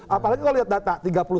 apalagi kalau lihat data